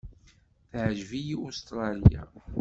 Teɛǧeb-iyi Ustṛalya.